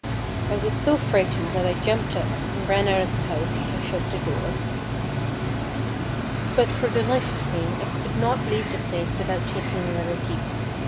I was so frightened that I jumped up, and ran out of the house, and shut the door. But for the life of me, I could not leave the place without taking another peep.